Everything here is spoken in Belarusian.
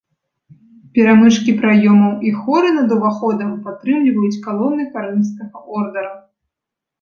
Перамычкі праёмаў і хоры над уваходам падтрымліваюць калоны карынфскага ордара.